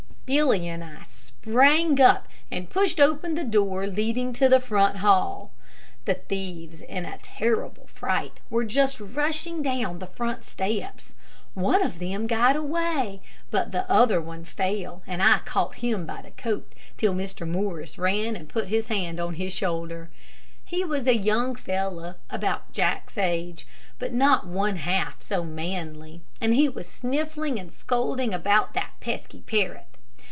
Billy and I sprang up and pushed open the door leading to the front hall. The thieves in a terrible fright were just rushing down the front steps. One of them got away, but the other fell, and I caught him by the coat, till Mr. Morris ran and put his hand on his shoulder. He was a young fellow about Jack's age, but not one half so manly, and he was sniffling and scolding about "that pesky parrot."